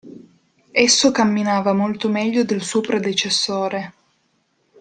Esso camminava molto meglio del suo predecessore.